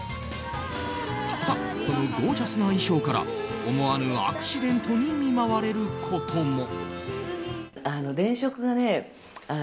ただ、そのゴージャスな衣装から思わぬアクシデントに見舞われることも。